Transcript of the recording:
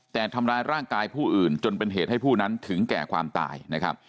แต่ทำร้ายร่างกายผู้อื่นจนเป็นเหตุให้ผู้นั้นถึงแก่ความตายนะครับ